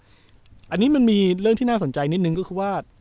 อันนี้มันมีเรื่องที่น่าสนใจนิดนึงก็คือว่า